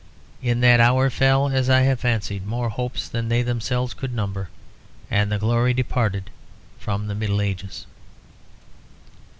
In that hour fell, as I have fancied, more hopes than they themselves could number, and the glory departed from the Middle Ages.